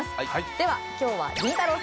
では今日はりんたろー。